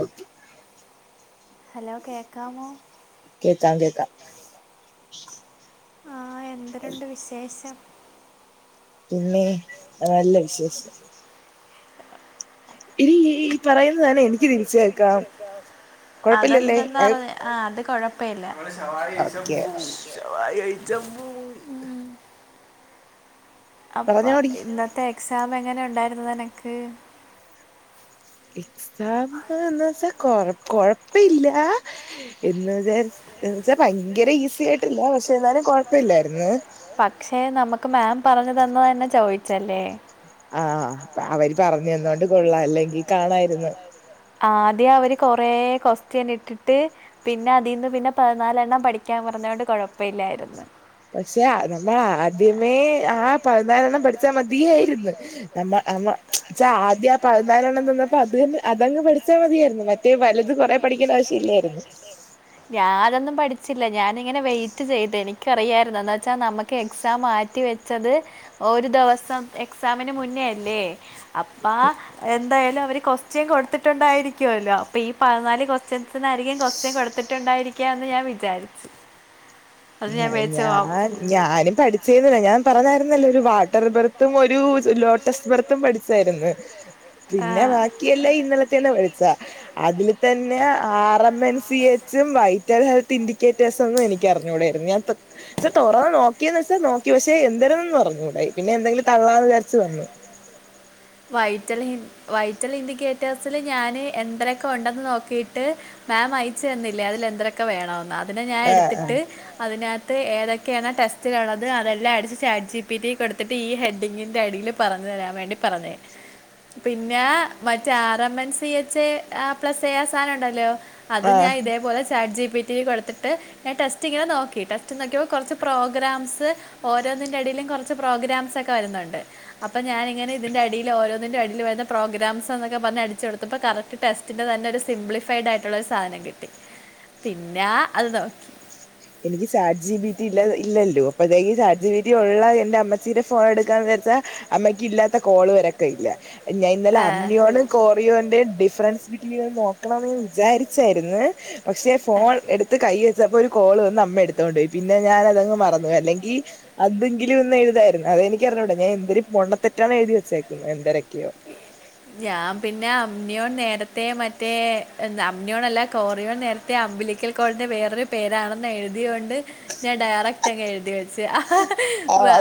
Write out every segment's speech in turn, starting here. Okay. [unintelligible] Hello കേക്കാമോ? ക്കാ കേക്കാം. ആ എന്തുണ്ട് വിശേഷം? പിന്നെ നല്ല വിശേഷം. ഇല്ലേ ഈ പറയുന്നതന്നെ എനിക്ക് തിരിച്ച അതെന്തെന്നാ പറഞ്ഞത്ആ അത് കൊഴപ്പമില്ല. ശവായി കഴിച്ചാൻ പോവും. [unintelligible] അപ്പ ഇന്നത്തെ എക്സാം എങ്ങനെ ഉണ്ടായിരുന്നുനിനക്ക്? എക്സാം എന്ന് വെച്ചാൽ കൊ കൊഴപ്പില്ല എന്ന് വിചാരിച്ച് എന്ന് വെച്ചാ ഭയങ്കര ഈസി ആയിട്ടില്ല പക്ഷെ എന്നാലും കുഴപ്പമില്ലായിരുന്നു. പക്ഷെ നമുക്ക് മാം പറഞ്ഞു തന്ന തന്നെ ചോദിച്ചല്ലേ? ആ അവര് പറഞ്ഞു തന്നോണ്ട് കൊള്ളാം അല്ലെങ്കി കാണായിരുന്നു. ആദ്യം അവര് കൊറേ ക്വസ്റ്റ്യൻ ഇട്ടിട്ട് പിന്നെ അതിന്ന് പിന്നെ പതിനാലെണ്ണം പഠിക്ക ക്കാൻ പറഞ്ഞോണ്ട് കുഴപ്പമില്ലായിരുന്നു. പക്ഷെ നമ്മള് ആദ്യമേ ആ പതിനാലെണ്ണം പഠിച്ചാൽ മതിയാ യിരുന്നു. നമ്മമ്മ ആദ്യം ആ പതിനാലെണ്ണം തന്നപ്പോ അത് അതങ്ങ് പഠിച്ചാൽ മതിയായിരുന്നു. മറ്റേ വലത് കൊറേ പഠിക്കണ്ട ആവശ്യ ഇല്ലായിരുന്നു. എന്നിക്കറിയായിരുന്നു. എന്ന് വെച്ചാ നമുക്ക് എക്സാം മാറ്റി വെച്ചത് ഒരു ദിവസം എക്സാമിന് മുന്നേ ല്ലേ? അപ്പ എന്തായാലും വര് കൊസ്റ്റ്യൻ കൊടുത്തിട്ടുണ്ടായിരിക്കുവല്ലോ? അപ്പൊ ഈ പതിനാല് ക്വസ്റ്റ്യൻസിനായിരുക്കു കൊസ്റ്റ്യൻ കൊടു ത്തിട്ടുണ്ടായിരിക്കാന്ന് ഞാൻ വിചാരിച്ചു. ഞാൻ ഞാനും പഠിച്ചിരുന്നില്ല ഞാൻ പറഞ്ഞ ല്ല ഒരു വാട്ടർ ബെർത്തും ഒരു ലോട്ടസ് ബെർത്തും പഠിച്ചായിരുന്നു. പിന്നെ ബാക്കിയെല്ലാം ഇന്നലത്തന്നെ പഠിച്ചതാ. അതിൽ തന്നെ ആർ എം എൻ സി എച്ചും വൈറ്റൽ ഹെൽത്ത് ഇൻഡിക്കേറ്റേഴ്സുംഒന്നും എനിക്കറി ഞുണയായിരുന്നു. തുറന്ന് നോക്കി യോന്ന് വെച്ചൽ നോക്കി പക്ഷെ എന്തരാന്ന് അറിഞ്ഞുകൂട പിന്നെ എന്തെിലും തള്ളാ വിചാരിച്ചു വന്നു. [unintelligible] [inaudible] വൈറ്റല വൈറ്റല ഇന്റികേറ്റേഴ്സില് ഞാന് എന്തിനൊക്കെ ഉണ്ടന്ന് നോക്കിട്ട് മാം അയച്ചു തന്നില്ലേ അതിലെന്തരൊക്കെ വേണമെന്ന്. അതിനെ ഞാൻ എടുത്തിട്ട് അതിനകത്ത് ത്ത് ഏതൊക്കെയാണ് ടെസ്റ്റിലു ള്ളത് അതെല്ലാം അടച്ച് ചാറ്റി പി റ്റിക്ക് കൊടുത്തിട്ട് ഈ ഹെഡിങ്ങിന്റെ ഐഡിൽ പറഞ്ഞിട്ട്‌ തരാൻ വേണ്ടി പറഞ്ഞത്. പിന്നെ ആ മറ്റേ R M N C H plus ഏയാ സാധനം ഉണ്ടല്ലോ? അത് ഞാൻ ഇതേ പോലെ ചാജി പിറ്റിക്ക്കൊടുത്തിട്ട് ഞാൻ ടെസ്റ്റിങ്ങനെ നോക്കി. നോക്കിയപ്പോൾകുറച്ച് പ്രോഗ്രാംസ് ഓരോന്നന്റെ അടിയിലും കുറച്ച് പ്രോഗ്രാംസ് ഒക്കെ വരുന്നുണ്ട്. അപ്പൊ ഞാനിങ്ങനെ ഇതിന്റെ അടി ഓരോന്നന്റെ അടിൽ വരുന്ന പ്രോഗ്രാംസ് എന്നൊക്കെ പറഞ് അടിച്ചു കൊടുത്തപ്പം കറക്ട് ടെസ്റ്റിന്റെ തന്നെ ഒരു സിപ്ലിഫൈഡ് ആയിട്ടുള്ള സാധനം കിട്ടി. പിന്നെ അത് നോക്കി. എനിക്ക് ചാർജി പി റ്റി ഇല്ലല്ലോ? അപ്പളത്തേക്ക് ചാറ്റി പിറ്റി ഉള്ള എന്റെ അമ്മച്ചീടെഫോൺ എടുക്കാൻ അമ്മക്കില്ലാത്ത കോള് വരക്കം ഇല്ല. ഞാൻ ഇന്നലെ അമ്മിയോ കോറിയോ ഡിഫറൻസ് ബിറ്റ് ബിനെക്കെ നോക്കണം വിചാരിച്ചായിരുന്നു. പക്ഷെ ഫോൺ എടുത്ത് കൈ കോള് വന്ന് അമ്മ എടുത്തോണ്ട് പോയി. പിന്നെ ഞാൻ അതങ്ങ് മറന്നു അല്ലെങ്കി അതെങ്കിലും ഒന്ന് എഴുതായിരുന്നു. അതെനിക്ക് ഞാൻ എന്തൊരു പൊട്ട തെറ്റാണ് എഴുതി വച്ചേുന്നത്. എന്തരോ ഞാൻ പിന്നെ പുണ്യയോൻ നേരത്തെ മറ്റേ എന്താ അമ്മനിയോണല്ല കോറിയോൻ നേരത്തെ അമ്പിളികൽ കോളിന്റെ വേറൊരു പേരാണെന്ന് എഴുതിയകൊണ്ട് ഞാൻ ഡയറക്റ്റ് അങ്ങ് എഴുതി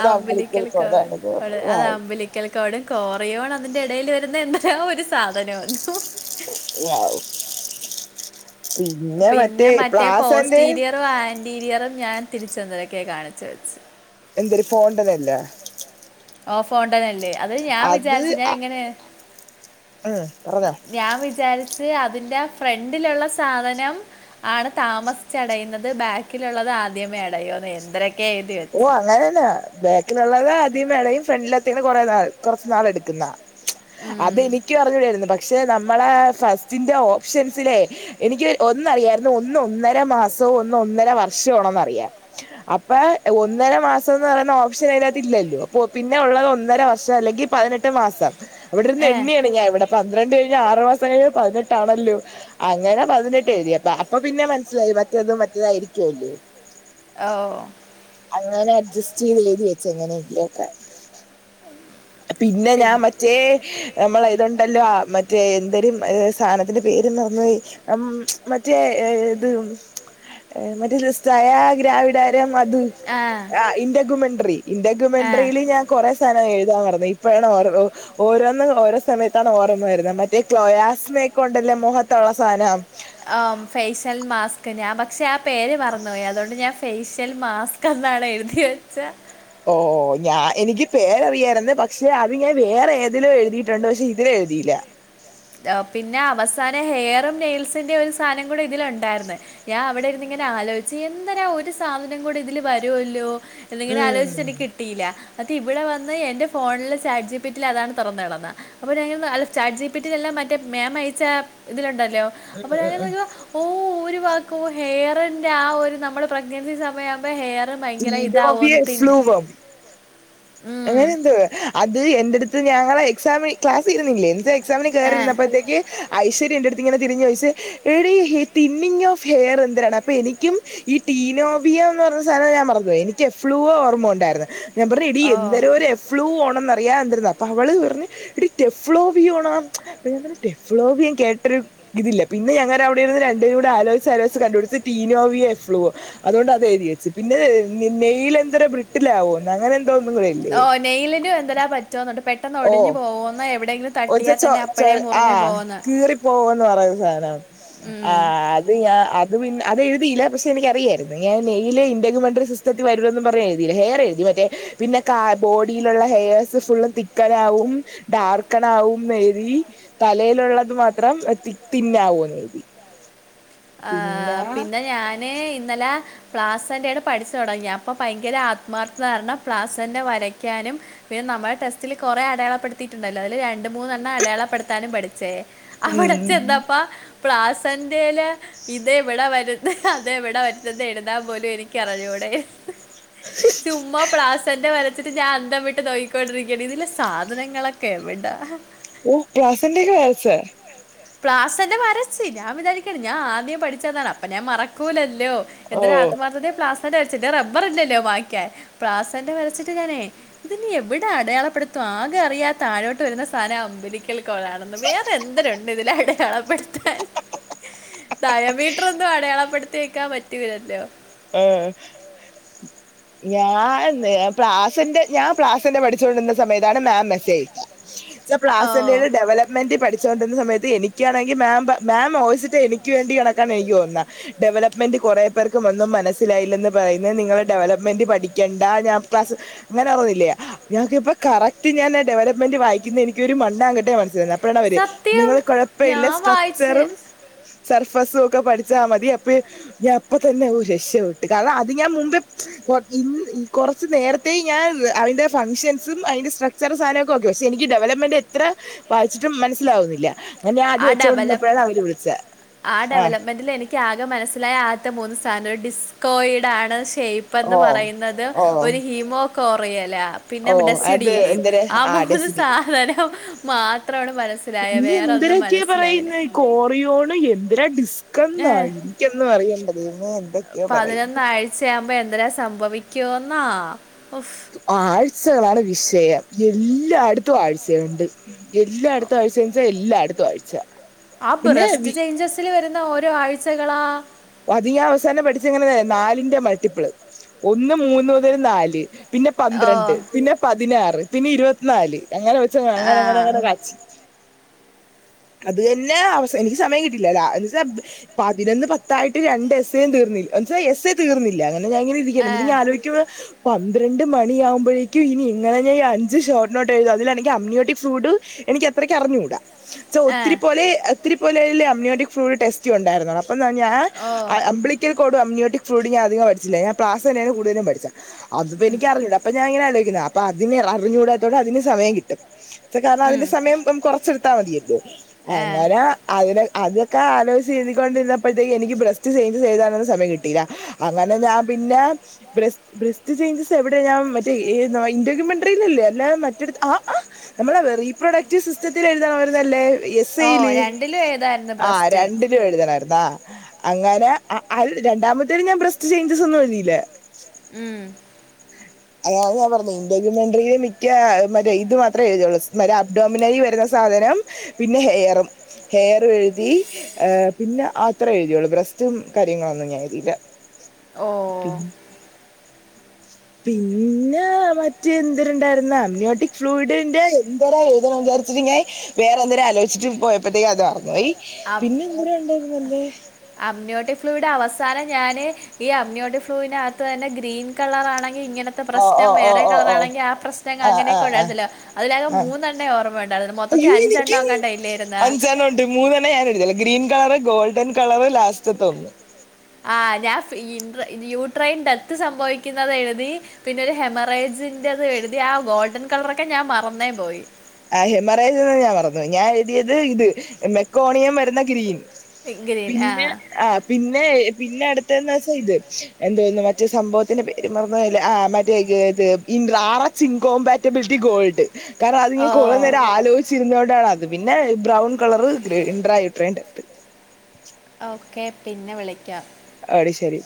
അമ്പുലിക്കൽക്കോ അതാ അമ്പുലിക്കൽക്കോട് കൊറിയോണ് അതിന്റെ എടെൽ വെരുന്ന എന്തെല്ലോ ഒരു സാധന വന്നു [unintelligible] പിന്നെ മറ്റേ പോസ്റ്റീരിയറും ആന്റീരിയറും ഞാൻ തിരിച്ചെന്തിരൊക്കെ കാണിച്ച് വെച്ചു എന്തുരു പോണ്ടതല്ല ഓ ഫോണ്ടൻ അല്ലേ അത് ഞാൻ വിചാര്ച്ചു ഞാൻ എങ്ങനെ ഞാൻ വിചാരി ച്ച് അതിന്റെ ആ ഫ്രണ്ടിലുള്ള സാധനം ആണ് താമസിച്ച് അടയുന്നത് ബാക്കിലുള്ള ആദ്യമേ അടയുന്ന് എന്തരൊ ഓ അങ്ങാനെന്നാ ബാക്കി ക്ക്ലിള്ളത് ആദ്യം വേണെൽ ഫ്രണ്ടിലെത്തെയ്നെ എത്തനും കൊറെ നാൾ കൊർച്ച് നാൾ എട്ക്ക്ന്നാ അതെനിക്കും അറിഞ്ഞൂടായിരുന്നു പക് ക്ഷെ നമ്മളെ ഫസ്റ്റിന്റെ ഓപ്ഷൻസിലെ എനിക്ക് ഒന്നറിയായിരുന്നു ഒന്ന് ഒന്നര മാസം ഒന്ന് ഒന്നര വർഷമാണന്ന്റിയാം അപ്പെ ഒന്നര മാസംന്ന് പറയുന്ന ഓപ്ഷൻ അയിനകത്ത് ഇല്ലല്ലോ അപ്പൊ പിന്നെ ഒള്ളത് ഒന്നര വർഷം അല്ലെങ്കി പതിനെട്ട് മാസം അവിടെ ഇര്ന്ന് എണ്ണിയാണ് ഞാൻ ഇവടെ പന്ത്രണ്ട് കഴിഞ്ഞ ആ ഒന്നര മാസം കഴിഞ്ഞാൽ പതിനെട്ടാണല്ലോ അങ്ങനെ പതിനെട്ട് എഴ്തി അപ്പ അപ്പൊ പിന്നെ മനസിലായി മറ്റതും മറ്റേ ഇരിക്കുയോല്ലോ അങ്ങനെ അഡ്ജസ്റ്റ് ചെയ്ത് എഴതി വെച്ച് എങ്ങനെങ്കിലും ഒക്കെ പിന്നെ ഞാൻ മറ്റേ നമ്മളെ ത് ഇണ്ടല്ലോ മറ്റേ എന്തേരും സാനത്തിന്റെ പേര് നന്നയി അമം മറ്റേ ത്‌ ഏ മറ്റെ സ്‌റ്റ്‌യാ ഗ്രാവിഡാ തെ അത് ഇന്റഗുമെന്ററി ഇന്റഗുമെന്ററിൽ ഞാൻ കൊറെ സാധനം എഴുതാൻ മറ തേ ഇപ്പൊഴാണ് ഓർമ്മ ഓരോന്നും ഓരോ സമയത്താണ് ഓർമ്മ വെരുന്നെ മറ്റേ ക്ലോയാസ് മെക്ക് കൊണ്ടല്ലെ മോ ത്തോള്ള സാനാ ആ ഫേഷ്യൽ മാസ്ക് ഞാൻ പക്ഷെ ആ പേര് മർന്നോയി. അതോണ്ട് ഞാൻ ഫേഷ്യൽ മാസ്ക് എന്നണ് എഴുതി വെച്ചെ ഓ ഓ ഞാ എനിക്ക് പേരറിയാര്ന്ന് പക്ഷെ അത് ഞാൻ വേറെ ഏതിലോ എഴുതിയിട്ടുണ്ട് പക്ഷെ ഇതി എഴിതീലാ അവസാനം ഹെയറും നെയിൽസിന്റെ ഒരു സാനം കൂടെ ഇതിൽ ഒണ്ടായിര്ന്നെ ഞാൻ അവിടെ ഇരുന്ന് ഇങ്ങനെ ആലോയിച്ച് എന്താ ഒരു സാധനം കൂടെ ഇതില് വരുവല്ലോ എന്നിങ്ങനെ ആലോയിച്ച് എനിക്ക് കിട്ടിയില്ല മറ്റേ ഇവിടെ വന്ന് എന്റെ ഫോണില് ചാറ്റ്ജിപ്പിറ്റിൽ അതാണ് തൊറന്ന് കടന്നെ അപ്പൊ ഞാൻ ഇങ്ങനെ ഒന്ന്ആലോജിച്ചു ചാ പിറ്റിലെല്ലാം മറ്റേ മേം അയച്ച ഇതിലുണ്ടല്ലോ അപ്പോ ഞാൻ [unintelligible] ഓ ഓര് ക്കോ ഹെയറിന്റെ ആ ഒരു നമ്മൾ പ്രഗ്നൻസി സമയവുമ്പെ ഹെയ [unintelligible] നോവിയ ഫ്ലൂവം അങ്ങനെ എന്തോ അത് എന്റെ അട്ത്ത് ഞങ്ങളെ എക്സാമ് ക്ലാസ് ഇരുന്നില്ലേ എ സാമിന് കെറി ഇരുന്നപ്പഴ്ത്തേക്ക് ഐശ്വര്യംന്റെ അടുത്ത് ഇങ്ങനെ തിരിഞ്ഞ് ചോയിച്ച് എടി തിന്നിങ് ഓഫ് ഹെയർ എന്തിനാണ് അപ്പൊ എനിക്കും ഈ തി ടീനോവിയന്ന് പറഞ്ഞ സാധനം ഞാൻ മറന്നു പോയി എനിക്ക് എഫ്ലുവ ഓർമ ഉണ്ടായിര്ന്ന്. ഞാൻ പർണു എടി എന്തരോ ഒര് എഫ്ലൂ ഒ ന്നറിയാം എന്തിര്ന്നാലും അവൾ പറഞ്ഞ് എടി ടെഫ്ളോവിയോ ആണോ അപ്പ ഞാൻ പറഞ്ഞ് ടെഫ്ളോവിയ ഞാൻ കേട്ട് ഹ് ഇതില്ല പിന്നെ ഞങ്ങെര് അവിടെ ഇരണ് രണ്ട് പേരുടെ ആലോയിച്ച് ആലോയിച്ച് കണ്ട്. പിടിച്ച് തീനോവി എഫ്ളു അതൊണ്ട് അത് എഴ്തി വെച്ച് പിന്നെ നെ നെൽ എന്തെര ബ്രിട്ടിലാവോന്ന്. അങ്ങനെ എന്തോ എന്ന് ഓ നെയിലിനും എന്തെരാ പറ്റുവാ [unintelligible] ഓ ഒച്യു ആ കീറി പോവുന്ന് പറയുന്ന സാധനം ആഹ് അത് ഞാ അത് പിന്ന അത് എഴുതിയില്ല പക്ഷെ എനിക്കറിയായിരുന്നു ഞാൻ [unintelligible] [unintelligible] മറ്റേ പിന്നെ കാ ബോഡിയിലുള്ള ഹെയെർസ് ഫുള്ളൂ തി തിക്കനാവും ഡാർക്കനാവും മേബി തലയിലുള്ളത് മാത്രം തിന്നാവും പോനതി ആഹ് പിന്നെ ഞാന് ഇന്നലെ പ്ലാസന്റയാണ് പഠിച്ചു തുടങ്ങിയ അപ്പ ഭയങ്കര ആത്മാർത്തദ കാരണം പ്ലാസന്റെ വരക്കാനും പിന്നെ നമ്മുടെ ടെസ്റ്റില് കുറെ അടയാളപ്പെടുത്തിയിട്ടുണ്ടല്ലോ അത് രണ്ട് മൂന്നെണ്ണം അടയാളപ്പെടുത്താനും പഠിച്ചേ അവിടെ ചെന്നപ്പാ പ്ലാ സന്റൽ ഇത എവിടെ വരുന്ന അത എവിടെ വരുന്നത് എഴുതാൻ പോലും എനിക്ക് അറിഞ്ഞൂടെ സുമ്മാ പ്ലാ സന്റെ വ ് ഞാൻ അന്തം വിട്ട് നോയിിക്കൊണ്ടിരിക്കയാണ് ഇതിലെ സാധനങ്ങളൊക്കെ എവിടാ ഓ പ്ലാസന്റെക വയസ് പ്ലാസന്റെ വരച്ച് ഞാൻ വിചരിക്കണ് ഞാൻ ആദ്യം പഠിച്ചതാണ് അപ്പം ഞാൻ മറക്കൂലല്ല യ്യോ എന്തൊരു ആത്മാർത്ഥ പ്ലാസ.. വരച്ചിട്ട് റബ്ബർല്ലോ മായിക്കാൻ പ്ലാസന്റെ വരച്ചിട്ട് ഞാനേ ഇതി എവിടെ അടയാളപ്പെടുത്ത ആകെഅറിയാ താഴോട്ട് വരുന്ന സാധനം അമ്പലിക്കൽ കൊണാണെന്ന് വേറെ എന്തൊരുണ്ട് ഇതിലട ഡയമീറ്ററൊന്നും അടയാളപ്പെടുത്തി വെക്കാൻ പറ്റൂലല്ലോ ആഹ [inaudible] ഞാൻ പ്ലാസന്റെ ഞാൻ പ്ലാസന്റെ പഠിച്ചോണ്ടിരുന്ന സമയത്താണ് മാം മെസ്സേജ് അയച്ച പ്ലാസിന്റെറയുടെ ഡെവലപ്മന്റ് പഠ ണ്ടിര സമയത്ത് എനിക്കാണെങ്കിൽ മാ മാം വോയിസിട്ട എനിക്ക് വേണ്ടി കണക്കാണ് അയ്യോ ന്നാ ഡെവലപ്മെന്റ് കുറേ പേർക്ക് വന്ന മനസിലായില്ലന്ന് പറയുന്നത് നിങ്ങളെ ഡെവലപ്മെന്റ് പഠിക്കണ്ട ഞ ക്ലാസ് അങ്ങനെറില്ല ഇപ്പൊ കറക് ഞൻ ഡെവലപ്മെന്റ് വായിക്കുന്ന എനിക്ക ഒരു മണ്ണാക്കട്ടെ മനസ്സിലന് എവര് നിങ്ങള് കുഴപ്പമില്ല സ്ട്രക്ചറും സർഫസും ഒക്കെ പഠിച്ചാൽ മതി അപ്പ ഞാൻ അപ്പ തന്നെ ഓ ര ട്ട് കാരണം അത് ഞാൻമുമ്പേ പ കുറച് നേരത്തെ ഞാൻ അതിന്റെ ഫങ്ക്ഷന് ും അതിന്റെ സ്ട്രക്ചർ സാധനൊക്കെ ഒക്കെ പക്ഷെ എനിക്ക് ഡെവലപ്മെന്റ് എത്ര വായിച്ചട്ടും മനസാാവുന്നില്ല അങ്ങനെ ആത് വെച്ചോണ്ടിന്നപ്പോഴാണ് അവര് വിളിചെ ആ ആകെ മനസ്സിലായ ആത്ത മൂന്ന് സ്ഥാന ഡിസ്കോഡണ് ഷേപ്പ്ന്ന് പറയുന്നത് ഒരു ഹീമോകോറിയല പിന്നെ ഡസിഡിയയും ആ ഒരു സാധനം മാത്രമാണ് മനസ്സിലായ വേറെ എ പറയുന്ന ഈ കോറിയോണ് യന്തിരാ ഡിസ്കഎന്നൊ ഇൻക്കൊന്നും അറിയില്ല ഇന്ടെ ദൈവമേ പതിനൊന്നാഴ്ചയാകുമ്പോ എന്തരാാ സംഭവിക്കൂന്നാ ആഴ്ചമാണ് വിഷയം എല്ലായിടത്തും ആഴ്ചയുണ്ട് എല്ലാ അടുത്ത ആഴ്ച എല്ലാ അടുത്ത ആഴ്ച ആ ബ്രസ്റ്റ് ചേഞ്ചസിൽ വരുന്ന ഓരോ ആഴ്ചകളാ അതി അവസാനം പഠിച്ചങ്ങനെ നാലിന്റെ മൾട്ടിപ്പിള് ഒന്ന് മൂന്ന് മുതൽ നാല് പിന്നെ പന്ത്രണ്ട് പിന്നെ പതിനാറ് പിന്നെ ഇരുപത്തിനാല് അങ്ങനെ വെച്ച അങ്ങനെങ്ങനെ അങ്ങെ അത് തന്നെ അവ എനിക്ക് സമയം കിട്ടില്ലല്ല എ വച്ചാ പതിനൊന്ന് പത്ത് ഇതായിട്ട് രണ്ട് എസ് എയും തീർന്നില്ലാ എസ് എ തീർന്നില്ല അങ്ങനെ ഞാങ്ങനെ ഇരിക്കാ ആലോചിക്കുന്നത് പന്ത്രണ്ട് മണിയാകുമ്പോഴേക്കും ഇനി ഇങ്ങനെ ഞാ ഈ അഞ്ച് ഷോട്ട് നോട്ട് എയുതും അതിന്റെ ഇടക്ക് അമ്നോട്ടിക് ഫ്രൂഡ് എനിക്ക് എത്രയ്ക്ക് അറിഞ്ഞുകൂടാ സൊ ഒത്തിരി പോലെ ഒത്തിരി പോലെ അമ്നോ ട്ടിക് ഫ്ലൂ ടെസ്റ്റ് ഉണ്ടായിരുന്നൊള്ളു അപ്പൊ ഞാൻ അമ്പ്ലിക്കൽ കോട് അമ്നോട്ടി ഫ്ലൂയിഡ് ഞാൻ അധികം പഠിച്ചില്ല ഞാൻ പ്ലാസ് തന്നെയാണ് കൂടുതലും പഠിച്ച അതിപ്പോ എനിക്ക് അറിഞ്ഞൂട അപ്പൊ ഞാനിങ്ങനെ ആലോചിക്കണ അപ്പ അതിന് അറിഞ്ഞുകൂടാത്തോടെ അതിന് സമയം കിട്ടും കാരണം അതിന്റെ സമയം കൊറച്ചെടുത്താൽ മതിയല്ലോ അങ്ങനെ അതി അത് ഒക്കെ ആലോചിച്ച എഴുതികൊണ്ടിരുന്നപ്പോൾ ഴത്തേ എനിക്ക് ബ്രസ്റ്റ് ചെയച് ചെയ്തന്ന സമയം കിട്ടിയില്ല അങ്ങനെ ഞാൻ പിന്നെബ്രസ്റ്റ് എവിടെ ഞാൻ മറ്റേ ഈമെട്രറിൽല്ലേ അല്ലേ മറ്റെ ആ ആ നമ്മള റീപ്രോഡക്റ്റീവ് സിസ്റ്റത്തില് എഴുതാവരുതല്ലേ എസ് ഐയില് ആ രണ്ടിനും എഴുതാനായിരുന്നൊ അങ്ങനെ അ അൽ രണ്ടാമത്തേന് ഞാൻ ബ്രസ്റ്റ് ചേഞ്ചസ് ഒന്നും എഴുതീല. ഉം അതാണ് ഞാൻ പറഞ്ഞെ ഇൻ്റർയൂമെൻ്ററിയില് മിക്ക മറ്റേ ഇത് മാത്രേ എഴുതയുള്ളൂ മറ്റേ അപ്ഡോമിനറി വരുന്ന സാധ നം പിന്നെ ഹെയറും. ഹെയറും എഴുതി. പിന്നെ അപ് അത്രേഎഴുതിയുള്ളൂ ബ്രസ്റ്റും കാര്യങ്ങളൊന്നും ഞാൻ എഴുതിയില്ല. ഓ പിന്നെ മറ്റേ എന്തര് ഉണ്ടായിരുന്ന അമനിയോട്ടിക് ഫ്ലൂയിഡിന്റെ എന്തര എഴുതണ ആലോചിച്ചിട്ട് ഞാൻ വേറെന്തരോ ആലോചിച്ചിട്ട് പോയപ്പോഴത്തേക്ക് അത് മറന്നുപോയ്. അമ് അമ്നോട്ടിക്ഫ്ലൂയിഡ് അവസാനം ഞാന് ഈ അമ്നോട്ടിക് ഫ്ലൂയിഡിനകത്തു തന്നെ ഗ്രീൻ കളർ ആണെ ങ്കി ഇങ്ങനത്തെ പ്രശ്നം വേറെ കളറാണെങ്കി ആ പ്രശ്നങ്ങൾ അങ്ങനെയൊക്കെ ഉണ്ടായിരുന്നല്ലോ. അതിലാകെ മൂന്നെണ്ണേ ഓർമ്മയുണ്ടാ അയ്യോ എനിക്കും അഞ്ചണ്ണോണ്ട് മൂന്നെണ്ണം ഞാൻ എഴു തീല്ല. ഗ്രീൻ കളറ്, ഗോൾഡൻ കളറ്, ലാസ്റ്റത്തെ ഒന്ന് ആ ഞാൻ ഇൻട്ര യൂട്രെയിൻ ഡെത്ത് സംഭവിക്കുന്നത് എഴുതി. പിന്നെ ഒരു ഹെമറേജിന്റെ എഴുതി ആ ഗോൾഡൻ കളറൊക്കെ ഞാൻ മറന്നേ പോയി. ആ ഹെമറേജ് എന്ന് ഞാൻ മറന്നുപോയി. ഞാൻ എഴുതിയത് ഇത് മെക്കോണിയം വരുന്ന ഗ്രീൻ. പിന്നെ ആ പിന്നെ പിന്നെ അടുത്തന്ന് വെച്ച ഇത്. എന്തോന്ന് മറ്റേ സംഭവത്തിന്റെ പേര്മറന്നു പോയല്ല മറ്റേ ഇത് ആർ എച്ച് ഇൻകോമ്പാറ്റബിലിറ്റി ഗോൾഡ് കാരണം അത് കൊറേ നേരം ആലോചിച്ചിരുന്നോ ണ്ടാണത്. പിന്നെ ബ്രൗൺ കളറ് ഗ്രേഡ് ഇൻഡ്രാഹൈഡ്രേൻ ഡെത്ത്. ഓക്കെ പിന്നെ വിളി ആടി ശരി.